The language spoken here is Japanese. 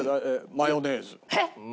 マヨネーズ。